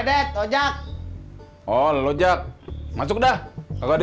detonjak olojak masuk dah enggak di